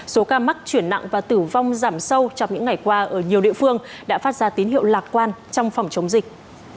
số ca mắc chuyển nặng và tử vong giảm sâu trong những ngày qua ở nhiều địa phương đã phát ra tín hiệu lạc quan trong phòng chống dịch